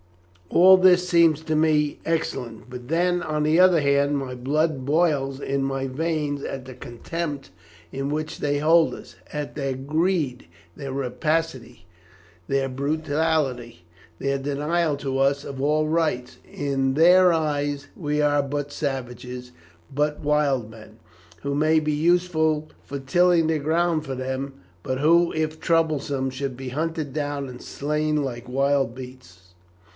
All this seems to me excellent; but then, on the other hand, my blood boils in my veins at the contempt in which they hold us; at their greed, their rapacity, their brutality, their denial to us of all rights. In their eyes we are but savages, but wild men, who may be useful for tilling the ground for them, but who, if troublesome, should be hunted down and slain like wild beasts.